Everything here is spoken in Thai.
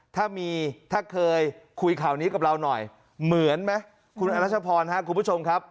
ถ้ามีถ้าเคยคุยข่าวนี้กับเราหน่อยเหมือนไหมคุณอรัชพรครับคุณผู้ชมครับ